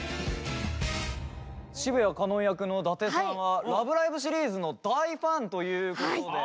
澁谷かのん役の伊達さんは「ラブライブ！」シリーズの大ファンということで。